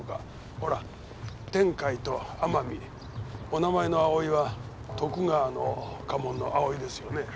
ほら「てんかい」と「あまみ」お名前の葵は徳川の家紋の「葵」ですよね？